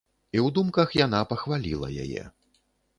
І ў думках яна пахваліла яе.